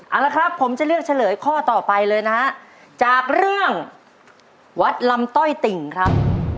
เอาละครับผมจะเลือกเฉลยข้อต่อไปเลยนะฮะจากเรื่องวัดลำต้อยติ่งครับ